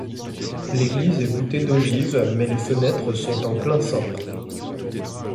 L'église est voûtée d'ogives mais les fenêtres sont en plein-cintre.